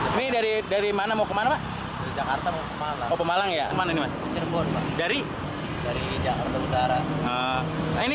kondisi ini diperparah dengan banyaknya pemudik sepeda motor yang kedua kalinya